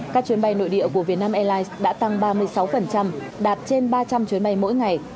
các chuyến bay nội địa của việt nam airlines đã tăng ba mươi sáu đạt trên ba trăm linh chuyến bay mỗi ngày